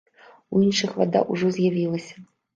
У іншых вада ўжо з'явілася.